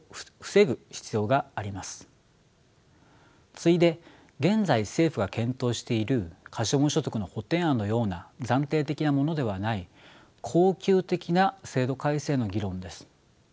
次いで現在政府が検討している可処分所得の補填案のような暫定的なものではない恒久的な制度改正の議論です。